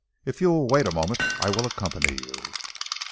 If you will wait a moment I will accompany you."